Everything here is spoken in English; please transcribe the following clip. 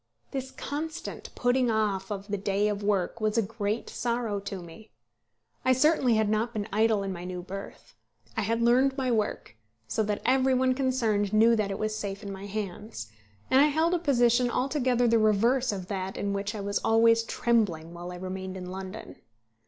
This constant putting off of the day of work was a great sorrow to me. I certainly had not been idle in my new berth. I had learned my work, so that every one concerned knew that it was safe in my hands; and I held a position altogether the reverse of that in which I was always trembling while I remained in London.